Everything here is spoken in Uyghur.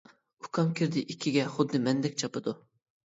ئۇكام كىردى ئىككىگە خۇددى مەندەك چاپىدۇ.